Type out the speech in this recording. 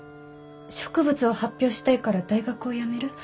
植物を発表したいから大学を辞める？